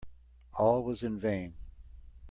All was in vain.